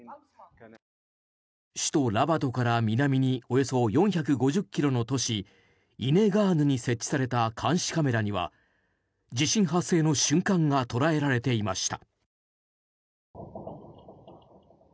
首都ラバトから南におよそ４５０ｋｍの都市イネガーヌに設置された監視カメラには地震発生の瞬間が捉えられていました。